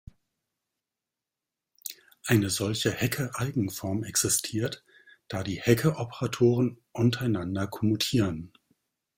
Eine solche Hecke-Eigenform existiert, da die Hecke-Operatoren untereinander kommutieren.